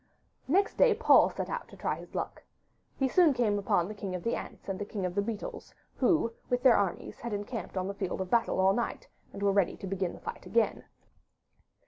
Next day Paul set out to try his luck. He soon came upon the King of the Ants and the King of the Beetles, who with their armies had encamped on the field of battle all night, and were ready to begin the fight again.